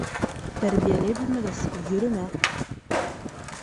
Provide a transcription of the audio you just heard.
Тәрбиәләй белмәгәс, йөрөмә!